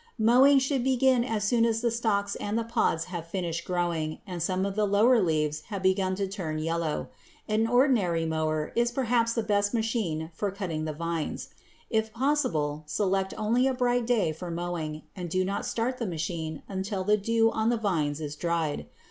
Mowing should begin as soon as the stalks and the pods have finished growing and some of the lower leaves have begun to turn yellow. An ordinary mower is perhaps the best machine for cutting the vines. If possible, select only a bright day for mowing and do not start the machine until the dew on the vines is dried.